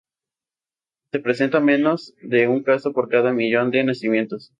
Se presenta menos de un caso por cada millón de nacimientos.